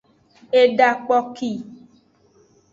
Eda kpoki.